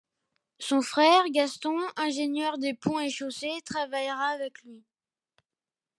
Son frère Gaston, ingénieur des Ponts et Chaussées, travaillera avec lui.